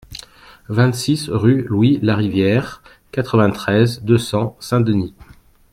vingt-six rue Louis Larivière, quatre-vingt-treize, deux cents, Saint-Denis